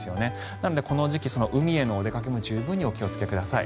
なのでこの時期、海へのお出かけも十分にお気をつけください。